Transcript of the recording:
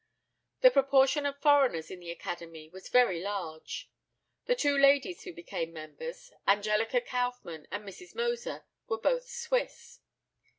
The proportion of foreigners in the Academy was very large. The two ladies who became members (Angelica Kauffmann and Mrs. Moser) were both Swiss.